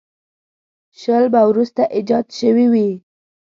شل به وروسته ایجاد شوي وي.